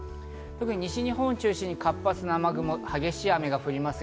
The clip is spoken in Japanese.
特に西日本を中心に活発な雨雲、激しい雨が降ります。